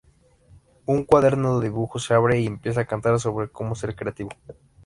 Un cuaderno de dibujo se abre y empieza a cantar sobre cómo ser creativo.